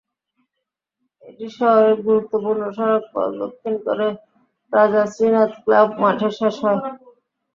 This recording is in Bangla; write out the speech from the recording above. এটি শহরের গুরুত্বপূর্ণ সড়ক প্রদক্ষিণ করে রাজা শ্রীনাথ ক্লাব মাঠে শেষ হয়।